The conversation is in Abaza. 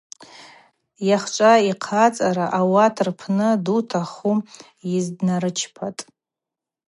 Йахьчӏва йхъацӏара ауат рпны дута хвы йызднарычпатӏ.